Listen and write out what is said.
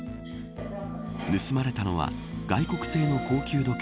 盗まれたのは外国製の高級時計